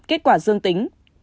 kết quả dương tính